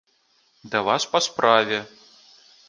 Да вас па справе!